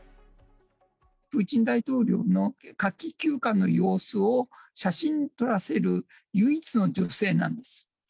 プーチン大統領の夏季休暇の様子を写真に撮らせる唯一の女性なんです。